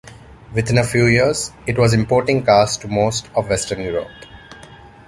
Within a few years, it was importing cars to most of Western Europe.